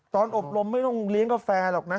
อบรมไม่ต้องเลี้ยงกาแฟหรอกนะ